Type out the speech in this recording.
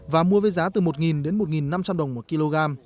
và mua với giá từ một đến một năm trăm linh đồng một kg